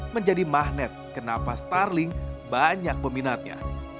menjadi magnet kenapa starling banyak peminatnya